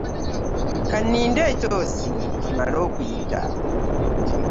Ka nninde ekyosi kimale okuyita.